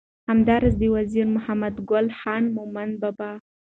همدا راز د وزیر محمد ګل خان مومند بابا